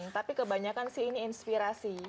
tapi kebanyakan sih ini inspirasi